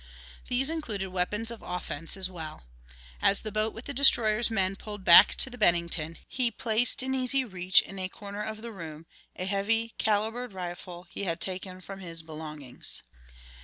These included weapons of offense as well. As the boat with the destroyer's men pulled back to the Bennington, he placed in easy reach in a corner of the room a heavy calibered rifle he had taken from his belongings.